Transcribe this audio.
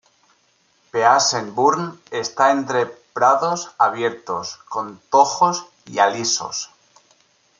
Pease Burn está entre prados abiertos, con tojos y alisos.